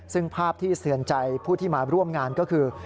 ซึ่งภาพที่เตือนใจผู้ที่มาร่วมงานก็คือ